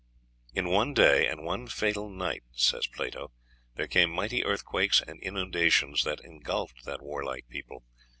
"In one day and one fatal night," says Plato, "there came mighty earthquakes and inundations that ingulfed that warlike people."